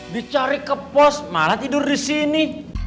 dicari ke pos malah tidur di sini